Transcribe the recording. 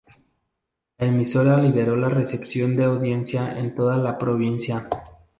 La emisora lideró la recepción de audiencia en toda la provincia.